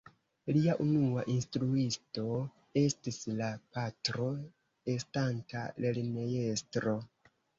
Lia unua instruisto estis la patro estanta lernejestro.